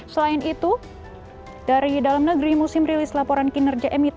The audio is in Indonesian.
selain itu dari dalam negeri musim rilis laporan kinerja emiten